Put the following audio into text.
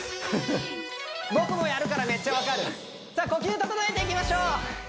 僕もやるからめっちゃ分かるさあ呼吸整えていきましょう